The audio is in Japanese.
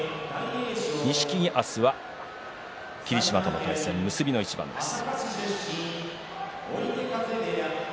錦木、明日は霧島との対戦、結びの一番です。